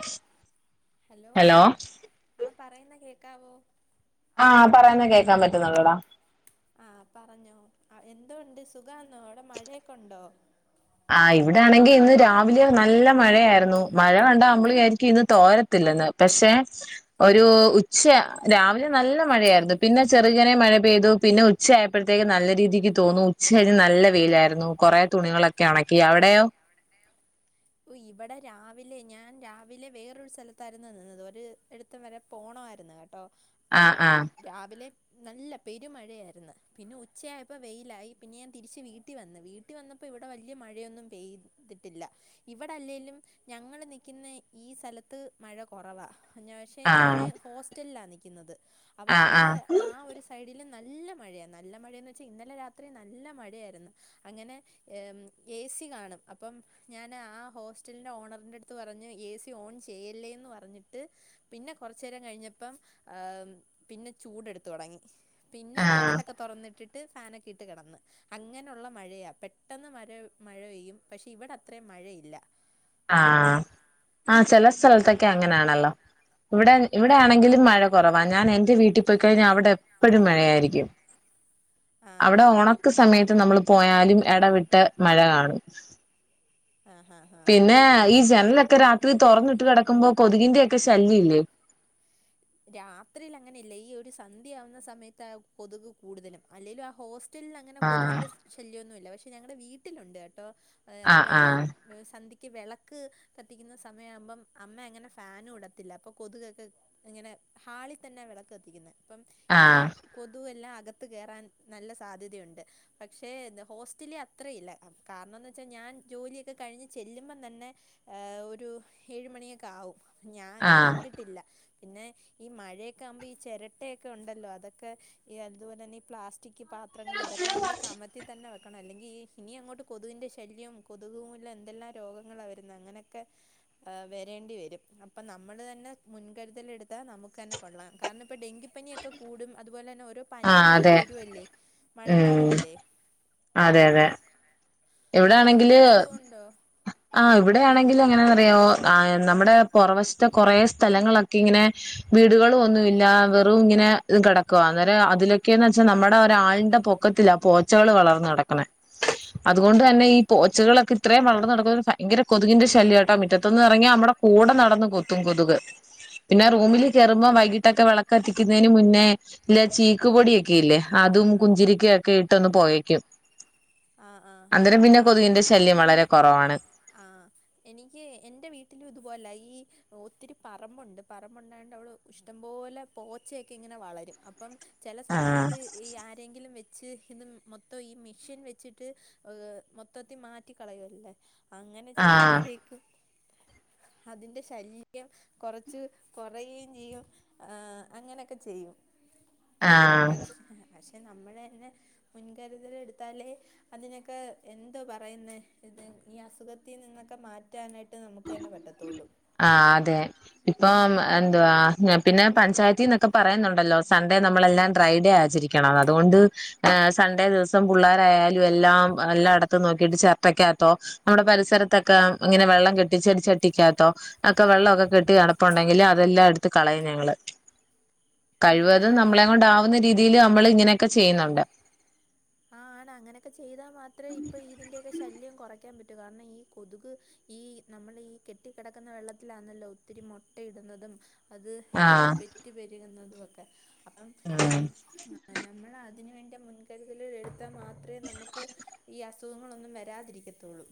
അഷ് hello ആ പറെയുന്നെ കേൾക്കാവോ ആഹ പറയുന്നെ കേൾക്കാൻ പറ്റുന്നുണ്ടെടാ ആഹ പറഞ്ഞോ അ എന്തുണ്ട് സുഖാന്നോ അവ്ടെ മഴെയൊക്കെ ഉണ്ടോ? ആ ഇവിടെ ആണെങ്കി ഇന്ന് രാവിലെ നല്ലെ മഴെയായിരുന്നു മഴെ കണ്ടാ നമ്മള് വിയാരിക്കും ഇന്ന് തോര ത്തില്ലെന്ന് പഷെ ഒരു ഉച്ച രാവിലെ നല്ലെ മഴെയായിരുന്നു പിന്നെ ചെറുകനെ മഴെ പെയ്തു പിന്നെ ഉ ഉച്ചായപ്പോഴത്തേക്ക് നല്ല രീതിക്ക് തോന്നു, ഉച്ച കഴിഞ്ഞ് നല്ലെ വെയിലായിരുന്നു കുറെ തുണികളൊക്കെ ഉണക്കി. അവിടെയോ? ഓ ഇവ്ടെ രാവിലെ ഞാൻ രാവിലെ വേറെരു സ്ഥലത്തായിരുന്നു നിന്നത് ഒര്ട് ത്ത് വരെ പോണവായിരുന്നു കേട്ടോ അപ്പം ആഹ് ആഹ് രാവിലെ നല്ലെ പെരുമഴയായിരുന്നു പിന്നെ ഉച്ചയായപ്പോ വെയിലായി പിന്നെ ഞാൻ തിരിച്ച് വീട്ടിൽ വന്ന് വീ നാട്ടി വന്നപ്പോ ഇവ്ടെ വല്ല്യയ മഴയൊന്നും പെയ്തിട്ടില്ല ഇവടെ അല്ലേലും ഞങ്ങള് നിക്കിന്ന ഈ സ്ഥലത്ത് മയ കൊറവാ [unintelligible] ആഹ് ഞാന് ഹോസ്റ്റ്ൽലാ നിക്കിന്നത് അപ്പൊ ആഹ് അവടെ ആഹ് ആ ഒര് സൈഡിൽ നല്ലെ മഴയാന്ന് നല്ലെ മഴെന്ന് വെച്ചാൽ ഇന്നലെ രാത്രി നല്ല മഴെയായിരുന്നു അങ്ങനെ ഏമ് ഏ സി കാണും, അപ്പം ഞാൻ നാആ ഹോസ്റ്റൽന്റെ ഓണറിന്റെട്ത്ത് പറഞ്ഞ് എ സി ഓൺ ചെയ്യെല്ലേന്ന് പറ്ഞ്ഞിട്ട് പിന്നെ കൊറച്ചെ നേരം കഴിഞ്ഞപ്പം ആഹ പിന്നെ ചൂടെടുത്തു തൊടങ്ങി പിന്നെ ആഹ് ജെനലൊക്കെ തൊറന്നി ട്ടിട്ട് ഫാനൊക്കെ ഇട്ട് കിടന്ന്. അങ്ങനെ ഉള്ള മഴെയാ പെട്ടെന്ന് മര മഴ പെയ്യും പക്ഷെ ഇവിടെ അത്രെയും മഴെയില്ല ആഹ ആ ചെല സ്ഥലത്തൊക്കെ അങ്ങനെയാണല്ലോ ഇവ്ടെ ഇവിടെ ആണെങ്കിലും മഴ കൊറവാ ഞാൻ എന്റെ വീട്ടി പോയിക്കഴിഞ്ഞാ അവ് എപ്പഴും മഴയായിരിക്കും ആ ആ അവിടെ ഓണം ക്ക് സമയത്ത് നമ്മള് പോയാലും എടവിട്ട് മഴ കാണും. ആഹ് ഹാ ഹാ. പിന്നെ ഈ ജനലൊക്കെ രാത്രി തൊറന്നിട്ട് കിടക്കുമ്പോ കൊതുകിന്റെയൊക്കെ ശല്യം ഇല്ലേ. രാത്രീല് അങ്ങനെയല്ല ഈ ഒരു സന്ധ്യ ആവുന്ന സമയത്ത് ആ കൊതുക് കൂടുതലും. അല്ലെലും ആ ഹോസ് റ്റൽല് അങ്ങനെ ആഹ് കൊതുവിന്റെ സ് ശല്യവൊന്നുവില്ല. പക്ഷെ ഞങ്ങടെ വീട്ടിലുണ്ട് കേട്ടോ. ആഹ് അപ്പം ഈ ആഹ് ഏഹ് സന്ധ്യക്ക് വെളക്ക് കത്തിക്കുന്ന സമയമാവുമ്പം അമ്മ അങ്ങനെ ഫാനും ഇടത്തില്ല അപ്പൊ കൊതുകെക്ക് ഇങ്ങനെ ഹാളി തന്നെ വിളക്ക് കത്തിക്കുന്നെ അപ്പം ഈ ആഹ് കൊതുവെല്ലാം അകത്ത് കേറാൻ നല്ല സാധ്യതയുണ്ട്. പക്ഷെ എന്ന് ഹോസ്റ്റലി അത്രയില്ല. കാരണംന്ന് വെച്ചാൽ ഞാൻ ജോലിയൊക്കെ കഴിഞ്ഞ് ചെല്ലുമ്പം തന്നെ ഏഹ് ഒരു ഏഴുമണിയൊക്കെ ആവും. ഞാ അങ്ങനെ ആഹ് കണ്ടിട്ടില്ല. പിന്നെ ഈ മഴയൊക്കെ ആവുമ്പം ഈ ചെരട്ടയൊക്കെ ഉണ്ടല്ലോ അതൊക്കെ ഈ അതുപോലെ തന്നെ ഈ പ്ലാസ് റ്റിക്ക് പാത്രങ്ങൾ ഇതൊക്കെ നമ്മൾ കമത്തി തന്നെ വെക്കണം. അല്ലെങ്കി ഇനി അങ്ങോട്ട് കൊതുകിന്റെ ശല്യം കൊതുകു മൂലം എന്തെല്ലാം രോഗങ്ങളാ വരുന്നെ. അങ്ങനൊക്കെ, ഏഹ് വരേണ്ടി വരും. അപ്പം നമ്മൾ തന്നെ മുൻ കരുതലെടുത്താ നമുക്ക ന്നെ കൊള്ളാം. കാരണം ഇപ്പം ഡെങ്കിപ്പിയൊക്കെ കൂടും. അതുപോലെന്നെ ഓരോ ആഹ് പനികളൊക്കെ അതെ വരുവല്ലേ ഉം മഴക്കാലവല്ലേ. അതെ അതെ. അവിടെ എങ്ങനെ ഇവിടാണെങ്കില് കൊതുകുണ്ടോ ആഹ്. ഇവിടെയാണെങ്കില് എങ്ങനാന്നറിയാവോ കാ നമ്മടെ പുറവശത്തെ കൊറെ സ്ഥലങ്ങളൊക്കെ ഇങ്ങനെ വീടുകളും ഒന്നു ഇല്ല. വെറും ഇങ്ങനെ കിടക്കുവാ അന്നേരം അതിലൊക്കേന്ന് വെച്ചാ നമ്മുടെ ഒരാളിന്റെ പൊ ക്കത്തിലാ പോച്ചകൾ വളർന്ന് കിടക്കണെ. അതുകൊണ്ട് തന്നെ ഈ പോച്ചകളൊക്കെ ഇത്രേം വളർന്ന് നടക്കുന്ന സ ഭയങ്കര കൊതുകിന്റെ ശല്യവാട്ടാ. മിറ്റത്തൊന്നും എറങ്ങിയാ നമ്മടെ കൂടെ നടന്ന് കൊത്തും കൊതുക്. പിന്നെ റൂമിൽ കേറുമ്പോം വൈകിട്ടൊക്കെ വിളക്ക് കത്തിക്കുന്നേന് മുന്നേ ഇല്ല ചീക്ക് പൊടിയൊക്കെ ഇല്ലേ അതും കുഞ്ചിരിക്കയൊക്കെ ഇട്ടൊന്ന് പൊകക്ക്യും. ആഹ് ആഹ്. അന്നേരം പിന്നെ കൊതുകിന്റെ ശല്യം വളരെ കൊറവാണ്. ആഹ് എനിക്ക് എന്റെ വീട്ടിലും ഇതുപോലാ. ഈ ഒത്തിരി പറമ്പുണ്ട് പറമ്പുണ്ടായോണ്ട് അവള് ഇഷ്ടംപോലെ പോച്ചയൊക്കെ ഇങ്ങനെ വളരും. അപ്പം ചെല ആഹ് സമയത്ത് ഈ ആരെയെങ്കിലും വെച്ച് ഇത് മൊത്തം ഈ മെഷീൻ വെച്ചിട്ട് ഏഹ് മൊത്തത്തി മാ റ്റിക്കളയല്ലേ അങ്ങനെ ആഹ് ചെയ്യുമ്പഴേക്കും അതിന്റെ ശല്യം കൊറച്ച് കൊറയേം ചെയ്യും ഏഹ് അങ്ങനെയൊക്കെ ചെയ്യും. ആഹ് പക്ഷ് പക്ഷെ നമ്മള് തന്നെ മുൻകരുതല് എടുത്താലേ അതിനൊക്കെ എന്തോ പറയുന്നെ ഇത് ഈ അസുഖത്തിൽ നിന്നൊക്കെ മാറ്റാനായിട്ട് നമുക്ക് തന്നെ പറ്റത്തൊള്ളൂ. ആഹ് അതെ. ഇപ്പം എന്തുവാ പിന്നെ പഞ്ചായത്തിന്നൊക്കെ പറയുന്നുണ്ടല്ലോ. സൺഡേ നമ്മളെല്ലാം ഡ്രൈഡേ ആചരിക്കണംന്ന്. അതുകൊണ്ട് ഏഹ് സൺഡേ ദിവസം പുള്ളാരായാലും എല്ലാം എല്ലാം എടത്തും നോക്കിട്ട് ചെരട്ടക്കകത്തോ നമ്മുടെ പരിസരത്തൊക്കെ ഇങ്ങനെ വെള്ളം കെ ട്ടി ച്ചെടിച്ചട്ടിക്കാത്തോ ഒക്കെ വെള്ള ഒക്കെ കെട്ടി കെടപ്പുണ്ടെങ്കിൽ അതെല്ലാം എട് ത്ത് കളയും ഞങ്ങള്. ഉം കഴിവതും ആണ് നമ്മളെം കൊണ്ടാവുന്ന രീ തീല് നമ്മള് ഇങ്ങനെയൊക്കെ ചെയ്യുന്നുണ്ട്. ആഹ് ആണ്. അങ്ങനെയൊക്കെ ചെയ്താ മാത്രേ ഇപ്പൊ ഇതിന്റെയൊക്കെ ശല്യം കൊറയ്ക്കാൻ പറ്റൂ. കാരണം ഈ കൊതുക് ഈ നമ്മൾ ഈ കെട്ടി കിടക്കുന്ന വെള്ളത്തിലാന്നല്ലോ ഒത്തിരി മൊട്ടയിടുന്നതും അത് ആഹ് പെറ്റുപെരുകുന്നതും ഒക്കെ അപ്പം ഈ ഉം നമ്മൾ അതിന വേണ്ടി മുൻകരുത ൽ എഴുത്താൽ മാത്രമേ നമുക്ക് ഈ അസുഖങ്ങളൊന്നും വരാതിരിക്കത്തുള്ളൂ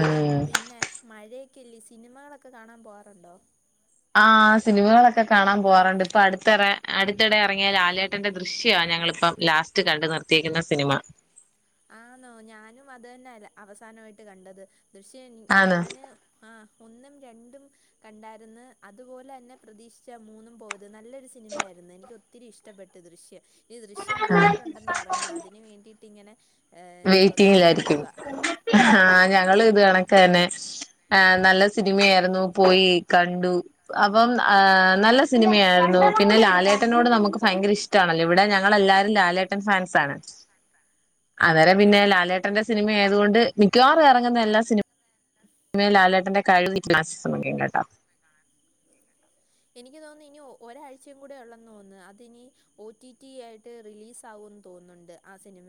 ഉം പിന്നെ മഴയൊക്കെല്ല സിനിമകളൊക്കെ കാണാൻ പോവാറുണ്ടോ ആഹ് സിനിമകളൊക്കെ കാണാൻ പോറുണ്ട് ഇപ്പൊ അടു ഇത്രറ അടുത്തിടെ ഇറങ്ങിയൽ ആ ലേട്ടന്റെ ദൃശ്യമാണ് ഞങ്ങളിപ്പം ലാസ്റ്റ് കണ്ട നിർത്തിയിരിക്കുന്ന സിനിമ ആന്നോ ഞാനും അത് തന്നെ അ അവസാനമായിട്ട് കണ്ടത് ദൃശ്യ ആന്നോ ഞാന് ആ ഒന്നും രണ്ടും കണ്ടായിരുന്നു അതുപോലെ തന്നെ പ്രതീക്ഷിച്ചാ മൂന്നും പോ ത് നല്ലൊരു സിനിമയായിരുന്നു യത് നല്ലൊരു സിനിമ ആയിരുന്നു എനിക്ക് ഒത്തിരി ഇഷ്ടപ്പെട്ട് ദൃശ്യം ഈ ദൃശ്യം നാലുണ്ടെന്ന് പറ പറയുന്നു അതിന് വേണ്ടിട്ട് ഇങ്ങനെ ഏ, എന്തുവാ വെയിറ്റിങ്ങിലായിരിക്കും കാത്തിരിക്കുവ ആ ആന്നാന്ന് ഞങ്ങള് ഇത് കണക്കെന്നെ ആഹ് നല്ല സിനിമയായിരുന്നു പോയി കണ്ടു അപ്പം ആ നല്ല സിനിമയായിരുന്നു പിന്നെ ലാലേട്ടനോട് നമുക്ക് ഫയങ്കര ഇഷ് ടാണല്ലോ ഇവിടെ ഞങ്ങൾ എല്ലാരും ലാലേട്ടൻ ഫാൻസാണ് അന്നേരം ആ പിന്നെ ലാലേട്ടന്റെ സിനിമ ആയതുകൊണ്ട് മിക്കവാറും എറങ്ങുന്ന എല്ലാ സിനിമ മേ ലാലേട്ടന്റെ കഴിവ് [unintelligible] കേട്ടോ എനിക്ക് തോന്നുന്നു ഇനി ഒരാഴ്ചയും കൂടെ ഉള്ളെന്ന് തോന്നുന്നു അതിനി ഒ ടി ടി ആയിട്ട് റിലീസ് ആവുംന്ന് തോന്നുന്നുണ്ട് ആ സിനിമ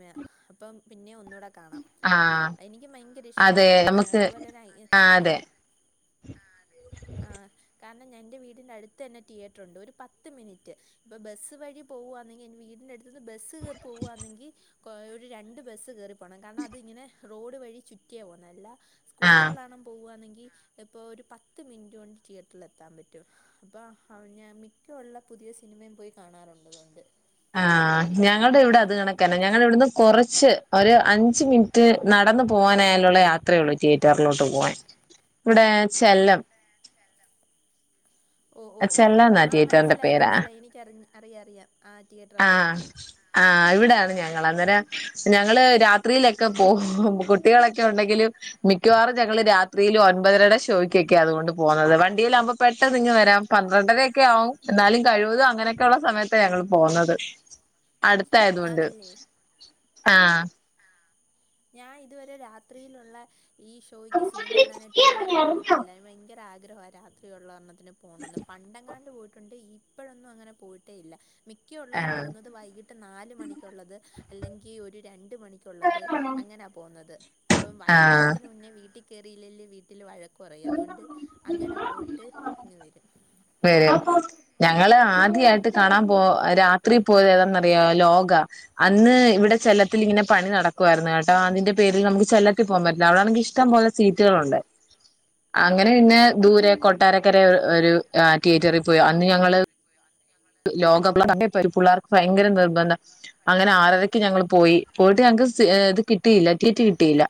അപ്പം പിന്നെ ഒന്നുടെ കാണാം ആഹ് എനിക്കും ഭയങ്കര അതെ ഇഷ്ടായി നമുക്ക് അതുപോലെ തന്നെ ആ ആഹ് അതെ ആഹ് അതെ ആഹ് കാരണം എന്റെ വീ വീടിന്റെ അടുത്ത് തന്നെ തിയേറ്ററൊണ്ട് ഒരു പത്ത് മിനിറ്റ് ഇപ്പൊ ബസ്സ് വഴി പോവാന്നെങ്കി വീടിന്റെ അടു ത്ത്ന്ന് ബസ്സ് കേറി പോവാന്നെങ്കി ഒരു രണ്ട് ബസ്സ് കേറിപ്പോണം കാരണം അതിങ്ങനെ റോഡ് വഴി ചുറ്റിയാ പോന്നേ അല്ല ആ സ്കൂട്ടറിലാണ് പോവാണെങ്കി ചെലപ്പോ ഒരു പത്ത് മിനിറ്റൊണ്ട് തിയേറ്ററിലെത്താൻ പറ്റും പറ്റും അപ്പോ അവ ഞാൻ മിക്കേള്ള പുതിയ സിനിമയും പോയി കാണാറുണ്ട് പണ്ട് ആഹ് ഞങ്ങള്ടെ ഇവിടെ അത് കണക്കെന്നെ ഞങ്ങള്ടെ ഇവിടുന്ന് കുറച്ച് ഒരു അഞ്ച് മിനിറ്റ് നടന്നു പോകാനായാലുള്ള യാത്രേ ഒള്ളൂ തിയേറ്ററിലോട്ട് പോവാൻ ഇവടെ ചെല്ലം ഓ ഓ ഓ ചെല്ലം എന്നാ ആ തിയേറ്ററിന്റെ മനസ്സിലായി പേരാ മനസ്സിലായി എനിക്കറി അറിയാം അറിയാം ആ തിയേറ്റർ അറിയാം ആഹ് ഇവിടാണ് ആ ഞങ്ങൾ അന്നേരം ഞങ്ങള് രാത്രീലൊക്കെ പോവും കുട്ടികളൊക്കെ ഉണ്ടെങ്കിലും മിക്കവാറും ഞങ്ങള് രാത്രീല് ഒൻമ്പതരേടെ ഷോയ്ക്കൊക്കെയാ അതുകൊണ്ട് പോകുന്നത് വണ്ടിലാവുംമ്പോ പെട്ടെന്നിങ്ങ് വരാം പന്ത്രണ്ടരൊക്കെ ആവും എന്നാലും കഴിവതും അങ്ങനെയൊക്കെയുള്ള സമയത്താ ഞങ്ങള് പോന്നത് അടുത്തായതൊണ്ട് ആഹ് ആഹ് ഞാൻ ഇതുവരെ രാത്രീലുള്ള ഈ ഷ് ഷോയ്ക്ക് സിനിമ കാണാനായിട്ട് ഇതുവരെ പോയിട്ടില്ല അയ്ന് ഭയങ്കര ആഗ്രഹാ രാത്രിയുള്ള ഒരെണ്ണം ത്തിന് പോണംന്ന് പണ്ടങ്ങാണ്ട് പോയിട്ടുണ്ട് ഇപ്പഴൊന്നും അങ്ങനെ പോയിട്ടേ ഇല്ല മിക്ക ഒള്ളതും പോവുന്നത് വൈകിട്ട് നാല് മണിക്കുള്ളത് അല്ലെങ്കി ഒരു രണ്ട് ക്കുള്ളത് അങ്ങനെ പോന്നത് ആഹ് വൈകുന്നേരത്തിന് മുന്നേ വീട്ടി കേറില്ലേല് വീട്ടില് വഴ ക്കു പറയും അതൊണ്ട് അങ്ങനെ പോയിട്ട് ഇങ് വെരും വെരും ഞങ്ങള് ആദ്യായിട്ട് കാണാൻ പോ രാ ത്രി പോയതേതാന്നറിയൊ ലോക അന്ന് ഇവിടെ ചെല്ലത്തിൽ ഇങ്ങനെ പണി നടക്ക ക്കുവായിരുന്നു കേട്ടാ അതിന്റെ പേരിൽ നമുക്ക് ചെല്ലത്തി പോവാൻ പറ്റില്ല അവിടാണെങ്കി ഇഷ്ടംപേലെ സീറ്റുകളുണ്ട് ആ അങ്ങനെ ആ പിന്നെ ദൂരെ കൊട്ടാരക്കര ഒരു തിയേറ്ററിൽ പോയി അന്ന് ഞങ്ങള് ലോക [inaudible] പിള്ളേർക്ക് ഭയങ്കര നിർബന്ധം അങ്ങനെ ആറരക്ക് ഞങ്ങള് പോയി പോയിട്ട് ഞങ്ങക്ക് സീ ഇത് കിട്ടിയില്ല സീറ്റ് കിട്ടിയില്ല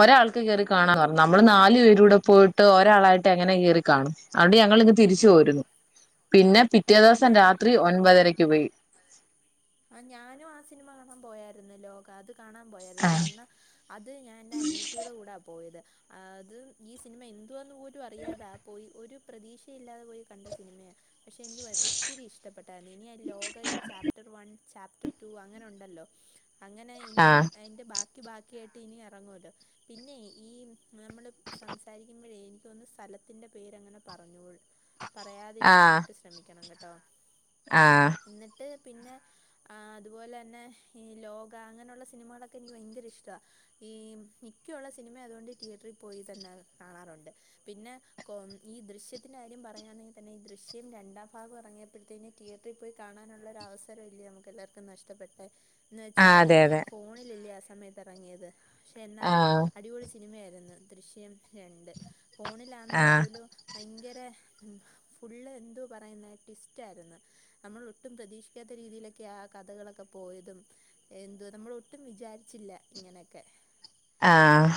ഒരാൾക്ക് കേറി ഉം കാണാ ഉം പറഞ്ഞു നമ്മള് നാല് പേരൂടെ പോയി ട്ട് ഒരാളായിട്ട് എങ്ങനെ കേറി കാണും അതൊണ്ട് ഞങ്ങളിങ്ങ് തിരിച്ചു പോരുന്നു പിന്നെ പി റ്റേ ആ ദിവസം ഞാൻ രാത്രി ഒൻപതരയ്ക്ക് പോയി ആഹ് ഞാനും ആ സിനിമ കാണാൻ പോയാരുന്നു ലോക അത് കാണാൻ പോയാരുന്നു ആഹ് കാരണം അത് ഞാൻന്റെ അനിയത്തിടെ കൂടെ പോയത് അത് ഈ സിനിമ എന്തുവാന്ന് പോലും അറിയാതാ പോയി ഒരു പ്രതീക്ഷയില്ലാതെ പോയി കണ്ട സിനിമയാ പക്ഷേ എനിക്ക് ഒത്തിരി ഇഷ്ടപ്പെട്ടായിരുന്നു ഇനി ആ ലോക ഈ chapter one chapter two അങ്ങനെ ഉണ്ടല്ലോ അങ്ങനെ ഇനി ആഹ് അയിന്റെ ബാക്കി ബാ ക്ക്യായ്ട്ട് ഇനി എറങ്ങുവല്ലൊ പിന്നെയ് ഈ നമ്മള് സംസാരിക്കുമ്പഴേ എനിക്കൊന്നു സ്ഥലത്തിന്റെ പേരങ്ങനെ പറഞ്ഞൂട ആഹ് പറയാതിരിക്കാനായിട്ട് ശ്രമിക്കണം കെട്ടോ ആഹ് ഇന്നിട്ട് പിന്നെ ആ അതുപോലെ തന്നെ ഈ ലോക അങ്ങനെയുള്ള സിനിമകളൊക്കെ എനിക്ക് ഭയങ്കര ഇഷ്ടാ ഈ മിക്കഉള്ള സിനിമ ആയതുകൊണ്ട് തിയേറ്ററിൽ പോയി തന്നെ കാണാറുണ്ട് പിന്നെ കൊ ഈ ദൃശ്യത്തിൻന്റെ കാര്യം പറയയാണെങ്കിതന്നെ ഈ ദൃശ്യംരണ്ടാം ഭാഗം ഇറങ്ങിയപ്പോഴത്തേെ തിയേറ്ററിൽ പോയി കാണാനുള്ള ള്ളൊരു അവസരം ഇല്ലേ നമുക്ക് എല്ലാർക്കും നഷ്ടപ്പെട്ടെ എന്ന് വെച്ചാ ആഹ് അത് അതെ അതെ ഫോണിലില്ലേ ആ സമയത്ത് ത്തിറങ്ങിയത് പക്ഷേ എന്നാലും ആഹ് അടിപൊളി സിനിമയായിരുന്നു ദൃശ്യം രണ്ട് ഫോണിലാണെങ്കി ആഹ് പോലും ഭയങ്കര ഫുള്ള് എന്തു പറയുന്ന ടിസ്റ്റായിരുന്നു നമ്മൾ ഒട്ടും പ്രതീക്ഷിക്കാത്ത രീതിയിലൊക്കെ ആ കഥകളൊക്കെ പോയതും എന്തു നമ്മളൊട്ടും വിചാരിച്ചില്ല ഇങ്ങനെയൊക്കെ ആഹ്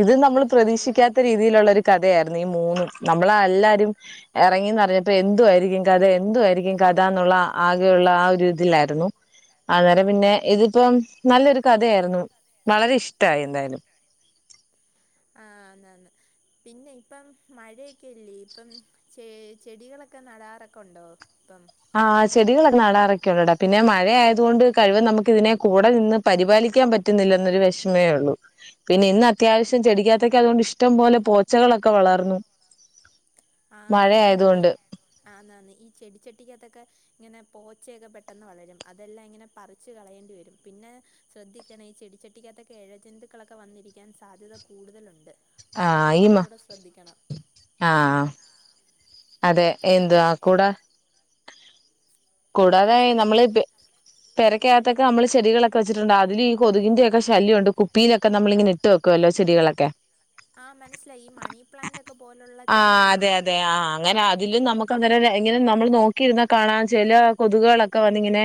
ഇത് നമ്മൾ അതുപോലെ പ്രതീക്ഷിക്കാത്ത രീതി തിയിലുള്ള ഒരു കഥയായിരുന്നു ഈ മൂന്ന് നമ്മളല്ലാരും എറങ്ങിന്നറിഞ്ഞപ്പോ എന്തു ആയിരിക്കും കഥ എന്തു ആയിരിക്കും കഥാന്നുള്ള ആകെയുള്ള ആ ഒരു ഇതിലായിരുന്നു അന്നേരം പിന്നെ ഇതിപ്പം നല്ലൊരു കഥയായിരുന്നു വളരെ ഇഷ്ടായി എന്തായാലും ആന്ന് ആന്ന് പിന്നെ ഇപ്പം മഴയൊക്കെല്ലേ ഇപ്പം ചേ ചെടികളൊക്കെ നടാറൊക്കെ ഉണ്ടോ ഇപ്പം ആഹ് ചെടികളൊക്കെ നടാറൊക്കണ്ടടാ പിന്നെ മഴായതു കൊണ്ട് കഴിവ് നമുക്ക് ഇതിനെ കൂടെ നിന്ന് പരിപാലിക്കാൻ പറ്റുന്നില്ല എന്നൊരു വിഷമേ ഒള്ളൂ പിന്നെ ഇന്ന് അത്യാവശ്യം ചെടിക്കാത്തൊക്കെ അതുകൊണ്ട് ഇഷ്ടം പോലെ പോച്ചകളൊക്കെ വളർന്നു ആഹ് അങ്ങനെയുണ്ട് ഈ മഴയായതുകൊണ്ട് ആന്നാന്ന് ഈ ചെടിച്ചട്ടിക്കക ത്തൊക്കെ ഇങ്ങനെ പോച്ചയൊക്കെ പെട്ടെന്ന് വളരും അതെല്ലാം ഇങ്ങനെ പറിച്ച് കളയേണ്ടി വരും പിന്നെ ശ്രദ്ധിക്കണേ ഈ ചെടിച്ചട്ടിക്കകത്തോക്കെ എഴജന്തുക്കളൊക്കെ വന്നിരിക്കാൻ സാധ്യത കൂടുതലുണ്ട് അപ്പൊ അതൊക്കെ ആഹ് ഇമാ കുറച്ചുകൂടെ ശ്രദ്ധിക്കണം ആഹ് അതെ അങ്ങൻ എന്തുവാ കൂടാ കൂടാതായി അങ്ങനൊക്കെ നമ്മള്പി പെരക്കകത്തക്കെ നമ്മള് ചെടികളൊക്കെ വെച്ചിട്ടുണ്ട അതില് ഈ കൊതുകിന്റെ ശല്യുണ്ട് കുപ്പിയിലൊക്കെ നമ്മളിങ്ങനെ ഇട്ട് വക്കും ക്കോലോ ചെടി കളൊക്കെ ആഹ് മനസ്സിലായി ഈ മണിപ്ലാന്റൊക്കെ പോലുള്ള ആഹ് ചെടികളല്ലേ അതെ അതെ ആഹ് അങ്ങനെ അതിലും നമുക്ക് അങ്ങന ഇങ്ങനെ നമ്മൾ നോക്കിയിരുന്ന കാണാ ചെല കൊതുകുകളൊക്കെ വന്നിങ്ങനെ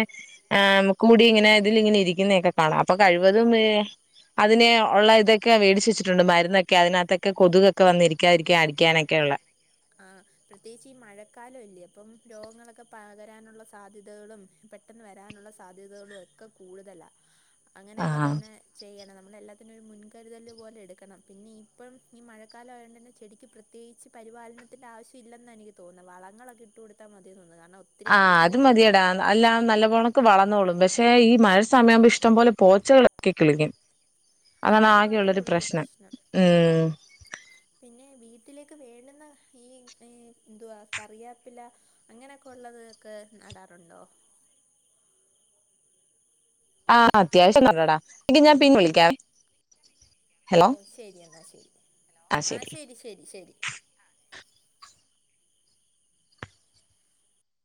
ആഹ് നമുക്ക് കൂടി ഇങ്ങനെ ഇതില് ഇങ്ങനെ ഇരിക്കുന്നൊക്കെ കാണാം അപ്പൊ കഴിവതും ഏ അതിനെ ഉള്ള ഇതൊക്കെ വേടിച്ച് വെച്ചട്ടുണ്ട് മരുന്നൊക്കെ അതിനകത്തൊക്കെ കൊതുകൊക്കെ വന്നിരിക്കാതിരിക്കന് ക്കാനൊക്കെയുള്ളെ ആഹ് പ്രത്യേകിച്ച് ഈ മഴക്കാലല്ലേ അപ്പം രോഗങ്ങളൊക്കെ പകരാനുള്ള സാധ്യതകളും പെട്ടെന്ന് വരാനുള്ള സാധ്യതകളുമൊക്കെ കൂടുതലാ. [inaudible] അങ്ങനെക്കെ ആഹ് തന്നെ ചെയ്യണം നമ്മളെ എല്ലാത്തിനും ഒരു മുൻകരുതല് പോലെ എടുക്കണം. പിന്നെ ഇപ്പം ഈ മഴക്കാലം ആയോണ്ടന്നെ ചെടിക്ക് പ്ര ത്യേകിച്ച് പരിപാലനത്തിൻ്റെ ആവശ്യമില്ലെന്ന എനിക്ക് തോന്ന്ന്നെ. വളങ്ങളൊക്കെ ഇട്ട് കൊടുത്താൽ മതി തോന്നുന്നു. കാരണം ഒത്തിരി ആഹ് വെള്ളം അത് മതിയെടാ. കിട്ടുന്നുണ്ടല്ലേ അല്ല നല്ല പോണക്കെ വളർന്നോളും. പക്ഷെ ഈ മഴ സമയവുമ്പോ ഇഷ്ടം പോലെ പോച്ചകളൊക്കെ കിളിക്കും. അതാണ് ആഹ് അത് മാത്രമേ ആകെയുള്ളൊരു ഉള്ളൂ ഒരു പ്രശ്നം. ഉം പിന്നെ വീട്ടിലേക്ക് വേണുന്ന ഈ ഏഹ് എന്തുവാ കറിയാപ്പില അങ്ങനൊക്കെ ഉള്ളത് ഒക്കെ നടാറുണ്ടോ? ആഹ് അത്യാവശ്യം നടടാ. എങ്കി ഞാൻ പിന്നെ വിളിക്കാവെ. ഓഹ് ശരി എന്നാ ശരി. ആഹ് ശരി ശരി ശരി